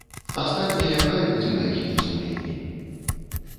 Астатняе хай будзе на іхнім сумленні.